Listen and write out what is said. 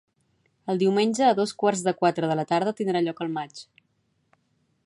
El diumenge a dos quarts de quatre de la tarda tindrà lloc el matx.